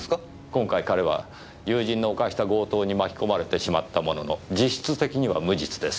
今回彼は友人の犯した強盗に巻き込まれてしまったものの実質的には無実です。